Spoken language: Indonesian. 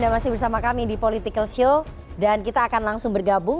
baik saya dulu lah mbak